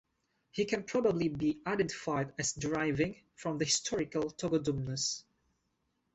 He can probably be identified as deriving from the historical Togodumnus.